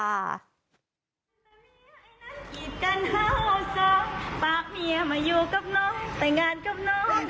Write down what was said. อะไรมาทำไงเอาแก่วมาพอ